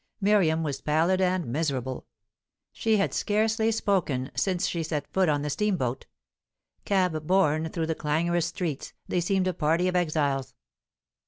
Miriam was pallid and miserable; she had scarcely spoken since she set foot on the steamboat. Cab borne through the clangorous streets, they seemed a party of exiles.